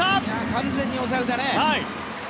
完全に押されたね。